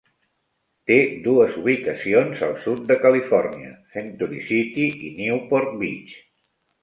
Té dues ubicacions al sud de Califòrnia: Century City i Newport Beach.